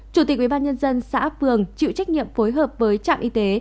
chủ tịch ubnd xã phường chịu trách nhiệm phối hợp với trạm y tế